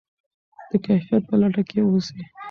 د کیفیت په لټه کې اوسئ.